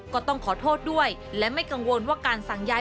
ก็ต้องขอโทษด้วยและไม่กังวลว่าการสั่งย้าย